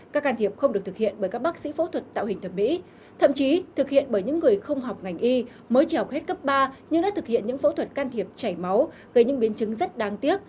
các can thiệp không được thực hiện bởi các bác sĩ phẫu thuật tạo hình thẩm mỹ thậm chí thực hiện bởi những người không học ngành y mới trèo hết cấp ba nhưng đã thực hiện những phẫu thuật can thiệp chảy máu gây những biến chứng rất đáng tiếc